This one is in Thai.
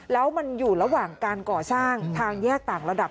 แล้วมันอยู่ระหว่างการก่อสร้างทางแยกต่างระดับ